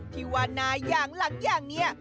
ที่วานาอย่างหลังอย่างนี้